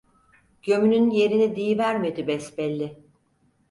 Gömünün yerini diyivermedi besbelli…